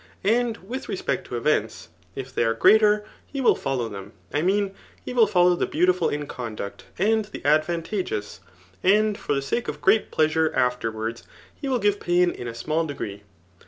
And vidi req^ect to erents, if diey are greater, he will follow them { I mean, he will fellow the beautiful in conduct and the advantageous ; amd for the sake of great pleasure afterwards, he will give pain in a srhall degree.